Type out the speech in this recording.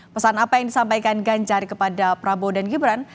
pesan apa yang disampaikan ganjar kepada prabowo dan gibran